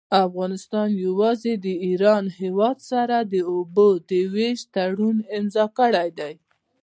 افغانستان يوازي د ايران هيواد سره د اوبو د ويش تړون امضأ کړي دي.